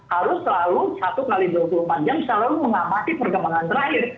harus selalu satu x dua puluh empat jam selalu mengamati perkembangan terakhir